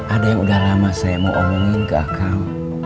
ada yang udah lama saya mau omongin ke akar